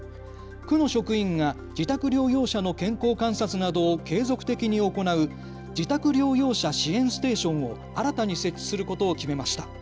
区の職員が自宅療養者の健康観察などを継続的に行う自宅療養者支援ステーションを新たに設置することを決めました。